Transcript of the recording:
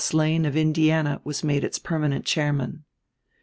Lane, of Indiana, was made its permanent chairman.